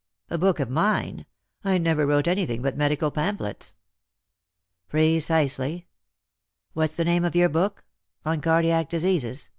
" A book of mine ! I never wrote anything but medical pamphlets. " Precisely. What's the name of your book ? On Cardiac Diseases.